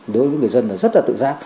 đối với người dân là rất là tự giác